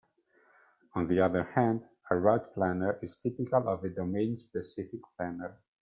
On the other hand, a route planner is typical of a domain specific planner.